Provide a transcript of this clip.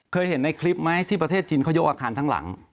เคยเห็นในคลิปไหมที่ประเทศจีนเขายกอาคารทั้งหลัง